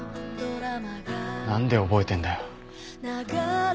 なんで覚えてんだよ。